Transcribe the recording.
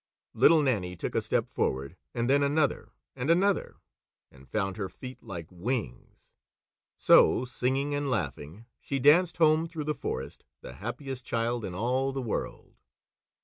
Little Nannie took a step forward, and then another and another, and found her feet like wings. So, singing and laughing, she danced home through the forest, the happiest child in all the world.